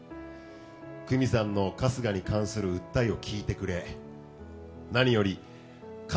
久美さんの春日に関する訴えを聞いてくれ。